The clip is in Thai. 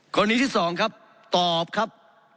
กรณีที่สองครับตอบครับ